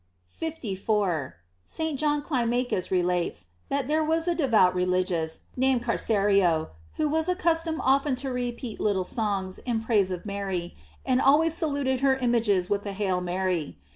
f 54. — St. John Clirnacus relates, that there was a devout religious, named Carcerio, who was accustomed often to repeat little songs in praise of Mary, and always saluted her images with a " Hail Mary."